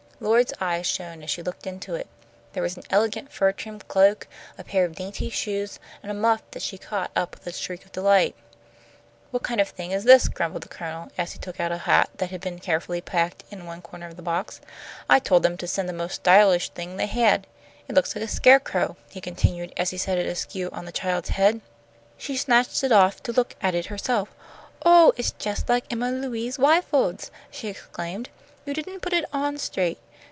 Lloyd's eyes shone as she looked into it. There was an elegant fur trimmed cloak, a pair of dainty shoes, and a muff that she caught up with a shriek of delight. "What kind of a thing is this?" grumbled the Colonel, as he took out a hat that had been carefully packed in one corner of the box. "I told them to send the most stylish thing they had. It looks like a scarecrow," he continued, as he set it askew on the child's head. She snatched it off to look at it herself. "Oh, it's jus' like Emma Louise Wyfo'd's!" she exclaimed. "You didn't put it on straight.